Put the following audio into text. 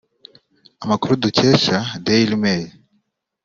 Amakuru dukesha daily mail